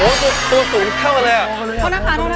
โทษนะคะโทษนะคะ